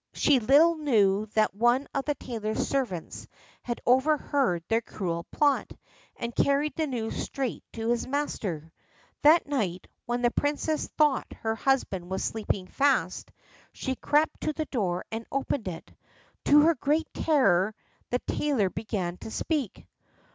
She little knew that one of the tailor's servants had overheard their cruel plot, and carried the news straight to his master. That night, when the princess thought her husband was sleeping fast, she crept to the door and opened it. To her great terror, the tailor began to speak.